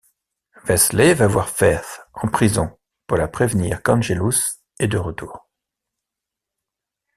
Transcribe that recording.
Wesley va voir Faith en prison pour la prévenir qu'Angelus est de retour.